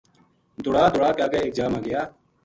دوڑا دوڑا کے اگے ایک جا ما گیا